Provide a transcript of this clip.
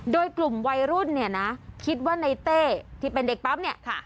โดยกลุ่มวัยรุ่นเนี่ยนะคิดว่าในเต้ที่เป็นเด็กปั๊มเนี่ย